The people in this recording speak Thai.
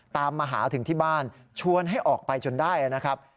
ตามมาหาถึงที่บ้านชวนให้ออกไปจนได้นะครับ